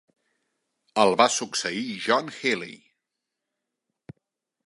El va succeir John Healey.